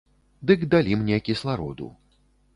Дык далі мне кіслароду.